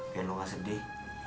biar lu nggak sedih